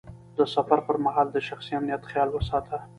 د سفر پر مهال د شخصي امنیت خیال وساته.